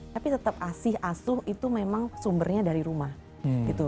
tapi tetap asih asuh itu memang sumbernya dari rumah gitu